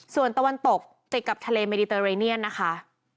ส่วนตะวันตกติดกับทะเลเมดิเตอร์เรเนียนนะคะ